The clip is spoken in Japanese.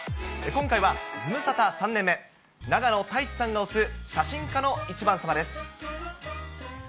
今回はズムサタ３年目、永野太一さんが推す写真家の１番さま。です。